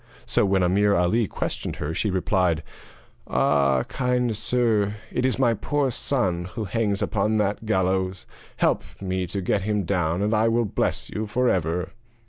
So when Ameer Ali questioned her, she replied: 'Ah, kind sir, it is my poor son who hangs upon that gallows; help me to get him down and I will bless you for ever.'